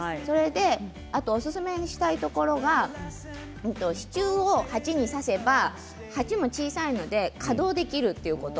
あと、おすすめしたいところが支柱を鉢に挿せば鉢も小さいので可動できるということ。